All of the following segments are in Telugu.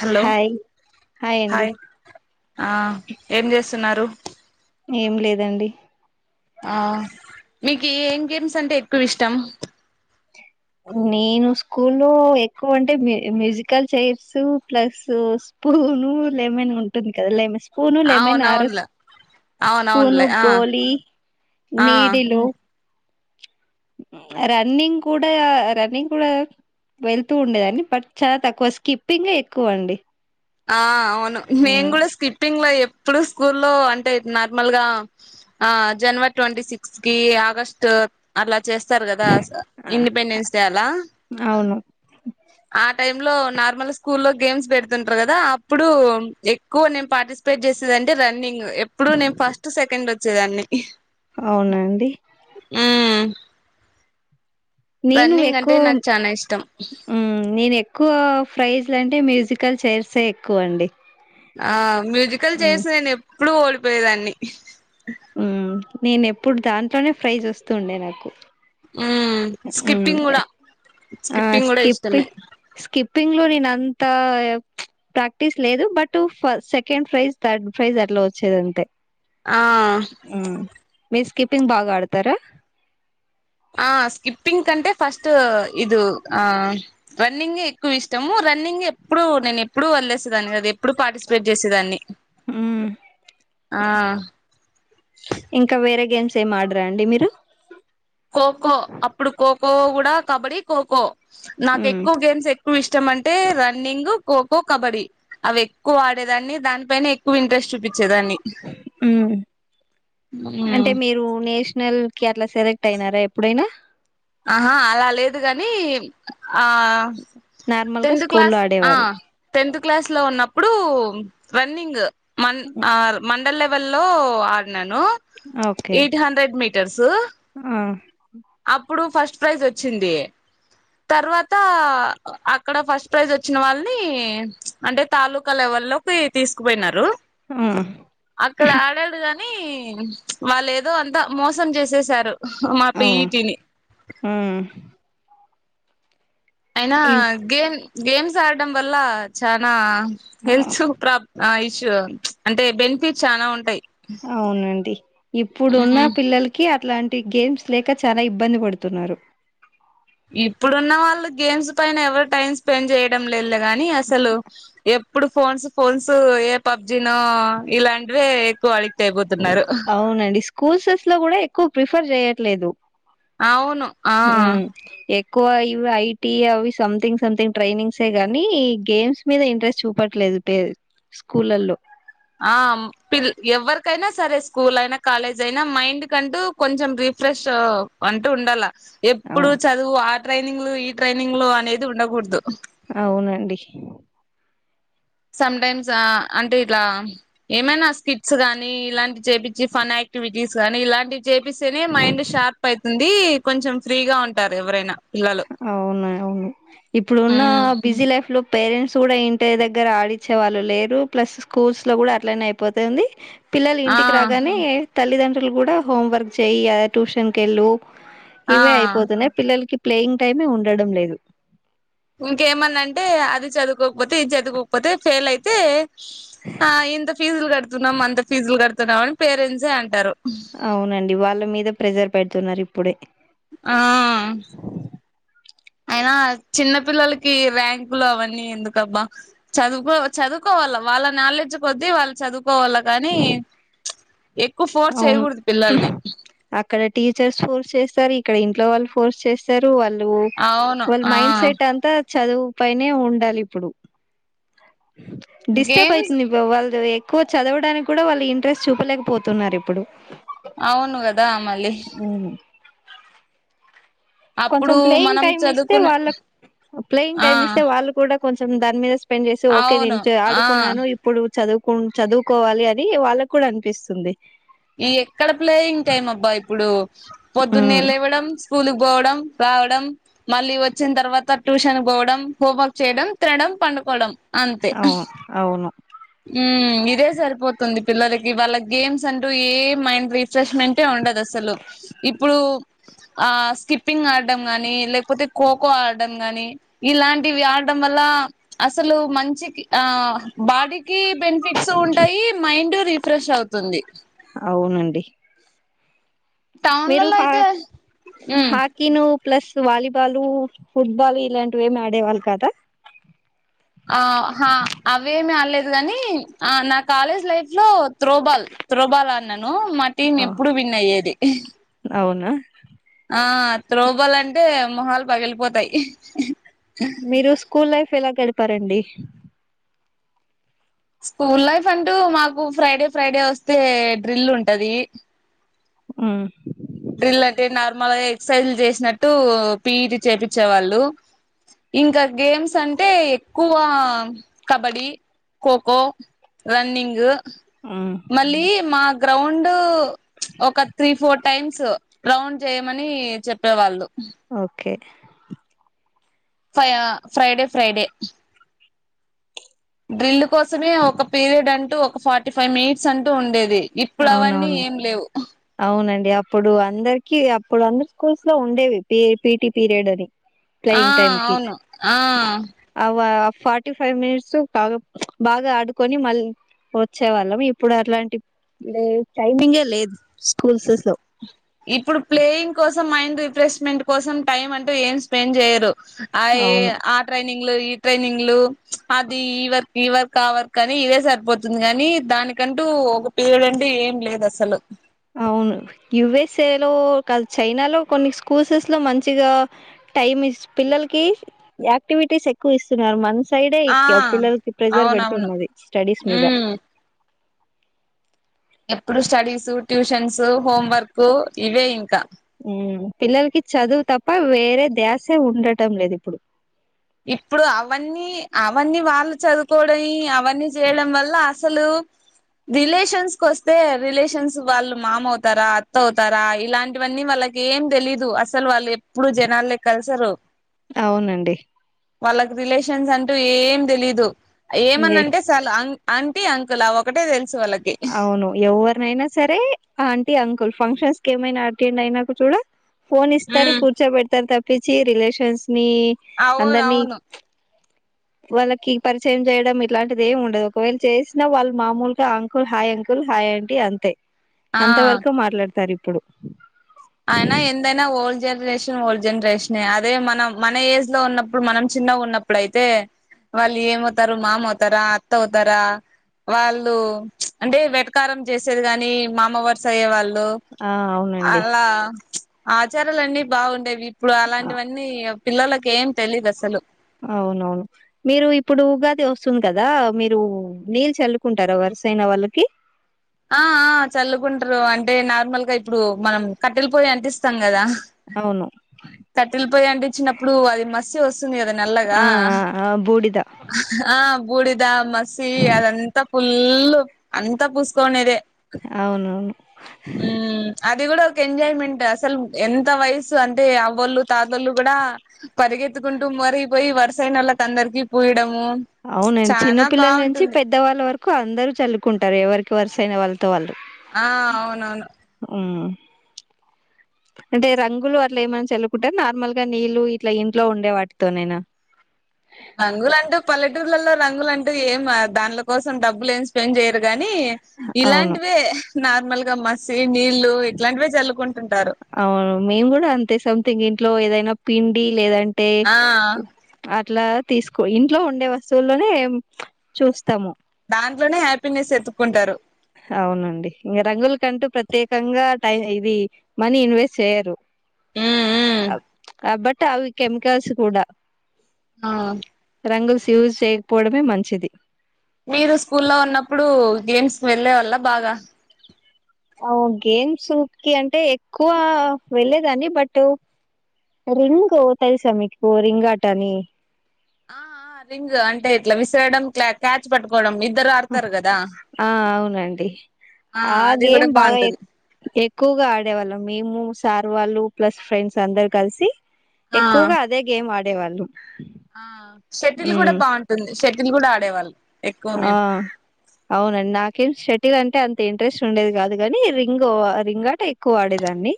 హలో హాయ్, హాయ్ అండి. ఆ ఏం చేస్తున్నారు? ఏం లేదండి. అ మీకు ఏం గేమ్స్ అంటే, ఎక్కువ ఇష్టం. నేను స్కూ లో ఎక్కువ అంటే, ము musical chairs plus. Spoon lemon ఉంటుంది. కదా! లెమన్ స్పూను లెమన్ ఆరేస్. అవునవునులే స్పూను అవునవునులే ఆ ఆ గోలినిడిలో రన్నింగ్ కూడా, రన్నింగ్ కూడా. వెళ్తూ ఉండేదాన్ని, బట్ చాలా తక్కువ స్కిప్పింగ్ ఎక్కువ అండి. ఆ అవును, నేను హ్మ్. గూడా స్కిప్పింగ్ లో ఎ ఇప్పుడు స్కూల్లో అంటే, నార్మల్ గా ఆ జనవరి ట్వంటీ సిక్స్త్ కి ఆగస్ట్. అలాగే చేస్తారు. గదా ఆ! ఇండిపెండెన్స్ డే, అలా అవును ఆ టైం లో నార్మల్ స్కూల్ లో, గేమ్స్ పెడుతుం. కదా అప్పుడు ఎక్కువ నేను పార్టిసిపేట్ చేసేది, అంటే రన్నింగ్ ఎప్పుడు, నేను ఫస్ట్ సెకండ్. వచ్చేదాన్ని. హ్ అవునండి. ఉమ్ నేను రన్నింగ్ అంటే ఎక్కువ నాకు చానా ఇష్టం నేను ఎక్కువ ఫ్రైస్ ఇట్లాంటి మ్యూజికల్ చైర్స్ ఎక్కువ అండి ఆ మ్యూజికల్ చేసి నేను ఎప్పుడు ఓడిపోయేదాన్ని మ్మ్ నేను ఎప్పుడు దాంట్నే ఫ్రై చేస్తూ ఉండే నాకు మ్మ్ స్కిప్పింగ్ కూడా ఆ స్కిప్పింగ్ కూడా స్కిప్పి ఇష్టమే స్కిప్పింగ్ లో న అంతా ప్రాక్టీస్ లేదు బట్ ఫ సెకండ్ ప్రైజ్ థర్డ్ ప్రైజ్ అట్లా వచ్చేది ఆ మీ స్కిప్పింగ్ బాగా ఆడతారా ఆ స్కిప్పింగ్ కంటే ఫస్ట్ ఇది ఆ రన్నింగ్ ఎక్కువ ఇష్టము రన్నింగ్ ఎప్పుడు నేను ఎప్పుడు వదిలేసేదాన్ని అదది ఎప్పుడు పార్టిసిపేట్ చేసేదాన్ని ఆ ఇంకా వేరే గేమ్స్ సే ఆడరా అండి మీరు ఖోఖో అప్పుడు ఖోఖో కూడా కబడ్డీ కోఖోఖో నాకు మ్మ్ ఎక్కువ గేమ్స్ ఎ ఎక్కువ ఇష్టం అంటే రన్నింగ్ ఖోఖో కబడ్డీ అవి ఎక్కువ ఆడేదాన్ని దానిపైనే ఎక్కువ ఇంట్రెస్ట్ చూపి ఉ మ్ అంటే మీరు నేస్ నల్ కి అట్లా సెలెక్ట్ అయినారా ఎప్పుడైనా ఆహా అలా లేదు కాని ఆ నార్మల్ గా టెన్త స్కూల్లో క్లాస్ ఆడేవారు టెన్త్ క్లాస్ లో ఉన్నప్పుడు రన్నింగ్ మండల్ లెవెల్ లో ఆడినను ఓకే ఎయిట్ హండ్రెడ్ మీటర్ ఆ స ప్రైజ్ వచ్చింది తర్వాత అక్కడ ఫస్ట్ ప్రైజ్ వచ్చిన వాళ్ళని అంటే తాలకాలు ఎవరు తీసుకుపోయిన ఆ అక్కడ ఆడాడు కానీ కానీ వాళ్ళు ఏదో అంతా మోసం చేసేసారు మా అవను పిఈటిని ఉమ్ అయినా గేమ్ గేమ్స్ ఆడడం వల్ల చనా హెల్త్ ప్రబ్ ఇషూ అంటే బెనిఫిట్ చాలా ఉంటాయి అవునండి ఇప్పుడు ఉన్న మ్మ్ పిల్లలకి ఇలాంటి గేమ్స్ లేక చాలా ఇబ్బంది పడుతున్నారు ఇప్పుడున్న వాళ్ళు గేమ్స్ పైన ఎవరు టైమ్ స్పెండ్ చేయడం లేదు కాగానీ అసలు ఎ ఇప్పుడు ఫోన్స్ ఫోన్స్ ఏ పబ్జి నో ఇలాంటి ఎక్కువాలి అయిపోతున్నారు [unintelligible] లో కూడా ఎక్కువ ప్రిఫర్ చేయట్లేదు అవును ఆ ఎక్కువ ఇవి ఐటీ అవి సంథింగ్ సంథింగ్ ట్రైనింగ్స్ గానీ ఈ గేమ్స్ మీద ఇంట్రెస్ట్ చూపట్లేదు పెరూ స్కూలాలో ఆ పి ఎవరికైనా సరే స్కూల్ అయినా కాలేజ్ అయినా మైండ్ కంటూ కొంచెం రి ఫ్రెష్ అంటూ ఉండాల అవు ఎప్పుడు చదువు ఆ ట్రైనింగ్లు ఈ ట్రైనింగ్లు అనేది ఉండకూడదు అవునండి సమ్టైమ్స్ అంటే ఇలా ఏమైనా స్కిట్స్ గానీ ఇలాంటి చేపించి ఫన్ క్ ఎక్టివిటీస్ కానీ ఇలాంటి చేపిస్తేనే మైండ్ షార్ప్ అయితుంది కొంచెం ఫ్రీగా ఉంటారు ఎవరైనా పిల్లలు అవునాయి అవును ఇప్పుడున్న మ్మ్ బిజీ లైఫ్ లో పేరెంట్స్ కూడా ఇంటి దగ్గర ఆడిచ్చే వాళ్ళు లేరు ప్లస్ స్కూల్స్ లో కూడా అట్లనే అయిపోతుంది పిల్లలు ఆ ఇంటికి రాగానే తల్లిదండ్రులు కూడా హోంవర్క్ చేయయి ట్యూషన్కి వెళ్ళు ఆ ఇవే అయిపోతున్నాయి పిల్లలకి ప్లేయింగ్ టైమే ఉండడం లేదు ఇంకేమన్నా అంటే అది చదువుకోకపోతే ఇది చదుకోకపోతే ఫెయిల్ అయితే ఆ ఇంత ఫీజులు కడుతున్నాం అంత ఫీజులు కడుతున్నాం అని పేరెంట్సే అంటారు అవునండి వాళ్ళ మీద ప్రెజర్ పెడుతున్నారు ఇప్పుడే ఆ [inaudible] అయినా చిన్న పిల్లోలకి ర్యాంకులు అవన్నీ ఎందుకబ్బా చదువుకో చదువుకోవాళ్ల. వాళ్ళ నాలెడ్జ్ కొద్ది వాళ్ళు చదువుకోవల్ల కాని అవును హ్ అక్కడ టీచర్స్ ఫోర్స్ చేస్త్ సరు ఇక్కడ ఇంట్లో వాళ్ళు ఫోర్స్ చేస్తారు వాళ్ళు అవును వాళ్ళ ఆ మైండ్ సెట్ అంతా. చదువు పైనే ఉండాలి ఇప్పుడు డిస్టర్బ్ గేమ్స్ అయితుంది వాల్దా వె కు చదవడానికి కూడా వాళ్ళ ఇంట్రెస్ట్ చూపలేకపోతున్నారు ఇప్పుడు. అవును కదా మళ్ళీ అప్పుడు కొంచెం ప్లేయింగ్ మనం టైమ్ ఇస్తే చదువుకునే వాళ్ళ ప్లేయింగ్ ఆ టైమ్ ఇస్తే వాళ్ళు కూడా కొంచెం దాని మీద స్పెండ్ చేసి ఓకే చ అవును నేను ఆ ఆడుకున్నాను ఇప్పుడు చదువు కు చదువుకోవాలి అని వాళ్ళకి కూడా అనిపిస్తుంది. ఈ ఎక్కడ ప్లేయింగ్ టైమ్ అబ్బా ఇప్పుడు ఉమ్ పొద్దున్నేళ్ళు లేవ్వడం స్కూల్ పోవడం రావడం మళ్ళీ వచ్చిన తర్వాత ట్యూషన్ పోవడం హోంవర్క్ చేయడం తినడం పండు కోవడం అవును అవును ఉమ్ ఇదే సరిపోతుంది పిల్లలకి వాళ్ళ గేమ్స్ అంటూ ఏ మైండ్ రిఫ్రెష్మెంటే ఉండదు అసలు ఇప్పుడు ఆ స్కిప్పింగ్ ఆడడం గాని లేకపోతే ఖోఖో ఆడడం గాని ఇలాంటివి ఆడం వాళ్ళ అసలు మంచికి ఆ బాడీ కి బెనిఫిట్సు ఉంటాయి మైండు రిఫ్రెష్ అవుతుంది. అవునండి మీరు టౌన్లలో హ అయితే మ్మ్ హాకిను ప్లస్ వాలీబాలు ఫుట్బాలు ఇలాంటివి ఏమి ఆడేవాళ్ళు కాదా. ఆ హ అవేమి ఆడలేద్ గాని ఆ నా కాలేజ్ లైఫ్ లో త్రోబాల్ త్రోబాల్ ఆన్యాను. ను మా టీం ఎప్పుడు విన్ అయ్యేది అవునా ఆ త్రోబల్ అంటే మొహాలు పగిలిపోతాయి ఇహ్ ఇహ్ మీరు స్కూల్ లైఫ్ ఎలా గడిపారండి స్కూల్ లైఫ్ అంటూ మాకు ఫ్రైడే ఫ్రైడే వస్తే డ్రిల్ ఉంటది. ఉ డ్రిల్ అంటే నార్మల్గా ఎక్సర్సైజ్లు చేసినట్టు పిఈటి చేపిచ్చేవాళ్ళు. ఇంకా గేమ్స్ అంటే ఎక్కువ కబడ్డీ ఖో ఖో రన్నింగు ఉమ్ మళ్ళీ మా గ్రౌండ్ చ్ ఒక త్రీ ఫోర్ట్ టైమ్స్ రౌండ్ చేయమని చెప్పేవాళ్ళు ఓకే ఫయ ఫ్రైడే ఫ్రైడే డ్రిల్ కోసమే ఒక పీరియడ్ అంటూ ఒక ఫార్టీ ఫైవ్ మినిట్స్ అంటూ ఉండేది. ఇప్పుడు అవన్నీ అవునవును ఎమ్ లేవ్ అవునండి అప్పుడు అందరికి అప్పుడు అందరి స్కూల్స్ లో ఉండేవి పి పిటి పీరియడ్ అని. ఆ ప్లేయింగ్ టైమ్ కి అవును ఆ అవ్వఫ్ ఫార్టీ ఫైవ్ మినిట్స్ బాగా చ్ బాగా ఆడుకొని మళ్ళీ వచ్చే వాళ్ళం ఇప్పుడు అట్లాండివి. ఇదేవ్ టైమింగే లేదు స్కూల్స్ సెస్లో మండ్ రిఫ్రెమెంట్ కోసం టైమ్ అంటూ ఎమ్ స్పెండ్ చేయరు అయి అవును ఆ ట్రైని నింగ్లూ ఈ ట్రయినింగులు చ్ అది ఈ వర్క్ ఈ వర్క్ ఆ వర్క్ అని ఇదే సరిపోతుంది కానీ కంటూ ఒక పీరియడ్ అంటూ ఎమ్ లేదు అసలు అవును యుఎస్ఏ లో కాద్ చైనా లో కొన్ని స్కూల్సెస్ లో మంచిగా. టైమ్ స్ పిల్లలకి యాక్టివిటీస్ ఎక్కువ ఇస్తున్నారు మన్స్ సైడే ఆ ఇప్పియా పిల్లలకి ప్రెజర్ అవునవును పెడుతున్నది స్టడీస్ మీద. ఉమ్ ఎప్పుడు స్టడీసు ట్యూషన్సు హోం వర్కు ఇవే ఇంకా. ఉమ్ పిల్లలకి చదువు తప్ప వేరే ద్యాసే ఉండటం లేదు ఇప్పుడు ఇప్పుడు అవన్నీ అవన్నీ వాళ్ళు చదువుకోవడం అవన్నీ చేయడం వల్ల అసలు రిలేషన్స్ కొస్తే రిలేషన్స్ వాళ్ళు మామ అవుతారా అత్త అవుతారా ఇలాంటివన్నీ వాళ్ళ కి ఏం దెలీదు అసలు వాళ్ళు ఎప్పుడూ జనాల్లోకి కలసరు అవునండి వాళ్ళకు రిలేషన్స్ అంటూ ఏం దెలీదు ఏమన్న ఇంగే అంటే సాలు అం అంటీ అంకుల్అవొకటే తెల్ అవును ఎవ్వొరనైనా సరే ఆంటీ అంకుల్ ఫంక్షన్స్ కేమైనా అటెండ్ అయినాక చూడు ఫోన్ ఇస్తారు కూర్చోబెడతారు తప్పిచ్చి రిలేషన్స్ మీ అవును అందరిని అవును వాళ్ళకి పరిచయం చేయడం ఇట్లాంటిది ఏమి ఉండదు ఒకవేళ చేసినా వాళ్ళు మామొల్ క కుల్ హాయ్ అంకుల్ హాయ్ ఆంటీ అంతే ఆ అంత వరకు మాట్లాడతారు ఇప్పుడు అయినా ఎందైనా ఓల్ జెర్ జనరేషన్ ఓల్డ్ జనరేషన్ అదే మనం మన ఏజ్ లో ఉన్నప్పుడు మనం చిన్నగా ఉన్నప్పుడుయితే వాళ్ళు ఏమవుతారు మామ అవుతారా అత్త అవుతారా వాళ్ళు అంటే వెటకారం జేసేది గాని మామవర్స అయ్యే వాళ్ళ్ ఆ అవునండి అలా ఆచారాలన్నీ బాగుండేవి ఇప్పుడు అ అలాంటివన్నీ పిల్లొల్లకేం తెలీదు అసలు అవునవును మీరు ఇప్పుడు ఉగాది వస్తుంది కదా మీరు నీళ్ళు చల్లుకుంటారా వర్ సైన వాళ్ళకి ఆ చల్లుకుంటారు అంటే నార్మల్ గా ఇప్పుడు మనం కట్టెల పొయ్యి అంటిస్తాం గదా అవును కట్టెలపోయ్యి అంటించ్చినప్పుడు అది మసి వస్ వొస్తుంది గద నల్లగా ఆ ఆ ఆ బూడిద ఆ బూడిద మస్సి అదంత ఫుల్లు అంతా పూస్కోనేదే అవునవును అది గుడా ఒక ఎంజాయ్ మెంట్ అసలు ఎంత వయసు అంటే అవ్వొళ్ళు తాతోళ్ళు గుడా పరిగె పరిగెత్తుకుంటూ మరి బొయ్ వరసయ్ నోళ్ళకు అందరికి పుయ్ అవునండి చిన్న పిల్లల నుంచి పెద్దవాళ్ళ వరకు అందరూ చల్లుకుంటారు ఎవరికి వరుసయిన వాళ్ళ్ తో వాళ్ళు ఆ అవునవును అంటే రంగులు అట్లా ఏమైన్నా చల్లుకుంటే నార్మల్ గా నీళ్లు ఇట్లా ఇంట్లో ఉండే వాటితోనేనా రంగుల అంటూ పల్లెటూర్లలో రంగుల అంటూ ఏం దాండ్ల కోసం డబ్బులు ఏమి స్పెండ్ జేయిర్ గాని అవును ఇలాంటివే నార్మల్ గా మస్సీ నీళ్లు ఇట్లాంటివే జల్లుకుం అవును మేము గూడా అంతే సంథింగ్ ఇంట్లో ఏదైనా పిండి లేదం టే ఆ ఉ అట్లా తీసుకో ఇంట్లో ఉండే వస్తువుల్లోనే చూస్తము దాంట్లోనే హ్యాపీనెస్ ఎతుక్కుంటారు హవునండి ఇంగ రంగుల కంటూ ప్రత్యేకంగా టై ఇది మనీ ఇన్వెస్ట్ చేయరు మ్మ్ మ్మ్ అబ్ అబ్బట్ అవి కెమికల్స్ కూడా ఆ రంగల్స్ యూజ్ సేయకపోవడమే మంచిది మీరు స్కూల్లో ఉన్నప్పుడు గేమ్స్ కి వెళ్లెవాళ్ల బాగ అవ్ గేమ్సు కి అంటే ఎక్కువ వెళ్లేదాన్ని బటు రింగు తెలుసా మీకు రింగాటనీ ఆ ఆ రింగు అంటే ఇట్లా విసిరడం క్యా క్యాచ్ పట్టుకోవడం ఇద్దరు ఆడతారు గదా ఆ అవునండి ఆ అది గేమ్ కూడా బాగా ఎక్కు బాగుంటుంది ఎక్కువగా ఆడేవాళ్ళం మేము స్ సార్ వాళ్ళు ప్లస్ ఫ్రెండ్స్ అందరూ కలిసి ఆ ఎక్కువగా అదే గేమ్ ఆడేవాళ్లుమ్ ఆ షటిల్ కూడా బాగుంటుంది షటిల్ కూడా ఆడేవాళ్లు ఆ అవున నా కి షటిల్ అంటే అంత ఇంట్రెస్ట్ ఉండేది కాదు కానీ రింగు రింగ ఆట ఎక్కువ ఆడేదాన్ని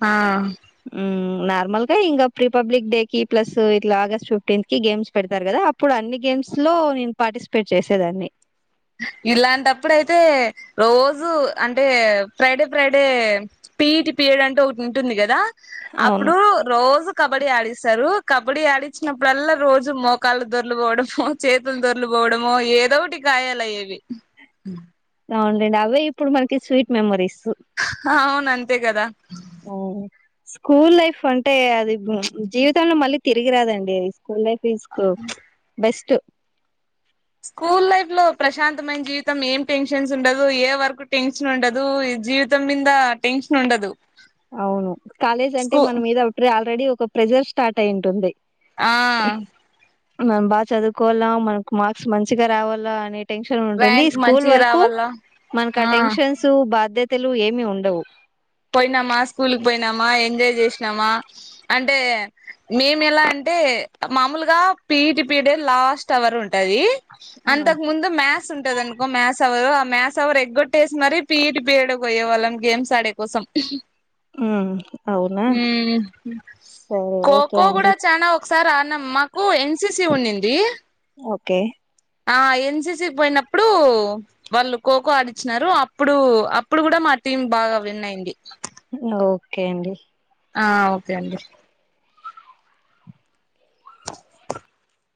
ఆ ఉ నార్ మల్కా ఇంకా ప్రీపబ్లిక్ డే కి ప్లస్ ఇట్లా ఆగస్ట్ ఫిఫ్టీన్త్ కి గేమ్స్ పెడతారు కదా అప్పుడు అన్ని గేమ్స్ లో లో నేను పార్టిసిపేట్ చేసేదాన్ని ఇలాంటప్పుడు అయితే రోజు అంటే Friday Friday PET P period అంటూ ఒకటి ఉంటుంది కదా అవును అప్పుడు రోజు కబడ్డీ ఆడిస్తారు కబడ్డీ ఆడించినప్పుడల్ రోజు మోకాళ్లు దొరులు పోవడం చేతులు దొరూలు పో పోవడమో ఏదో ఒకటి గాయాలు అయ్యేవి అవునండి అవే ఇప్పుడు మనకి స్వీట్ మెమోరీస్ అవును అంతే కదా హు స్కూల్ లైఫ్ అంటే అది జీవితంలో మళ్లీ తిరిగి రాదండి అది కోనే తీసుకో బెస్ట్ స్కూల్ లైఫ్ లో ప్రశాంతమైన జీవితం ఏం టెన్షన్స్ ఉండదు ఏ వర్క్ టెన్షన్ ఉండదు జీవితం మింద టెన్షన్ ఉండదు అవును కాలేజ్ అంటే స్కూ మన మీద అప్పుడే ఆల్రెడీ ఒక ప్రెజర్ స్టార్ట్ అయి ఉంటుంది ఆ మనం బాగా చదువుకోవాలా మనకు మార్క్స్ మంచిగా రావాలా అనే టెన్షన్ ఉంటుంది ర్యాంక్ స్కూల్ మంచిగ వరకు రావాల మనకు ఆ టెన్షన్స్ బాధ్యత్ తెలు ఏమి ఉండవు నామాస్ స్కూల్ పోయినామా ఎంజాయ్ చేసినామా అంటే మేము ఎలా అంటే మాములుగా పిఈటి పిరియడ్ లాస్ట్ అవర్ ఉంటది ఆ అంతకు ముందు మ్యాస్ ఉంటది అనుకో మ్యాస్ అవర్ మ్యాస్ అవర్ ఎగ్గొట్టేసి మరి పీఈటి పిరియడ్ పోయే వాళ్ళం గేమ్స్ ఆడే కోసం ఉమ్ అవునా హు సరే ఖో ఓకే ఖో అండి కూడా చానా ఒకస్ సార్ రాణమ్మకు ఎన్సీసీ ఉన్నింది ఒకే ఆ ఎన్సిసి పోయినప్పుడు వాళ్ళు ఖోఖో ఆడిచ్చినారు అప్పుడు అప్పుడు కూడా మా టీమ్ బాగా విన్ అయింది ఒకే అండి ఆ ఒకే అండి